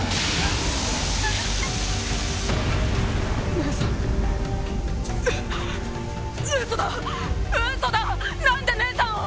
姉さんウソだウソだ何で姉さんを！